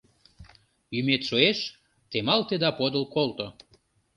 Йӱмет шуэш — темалте да подыл колто.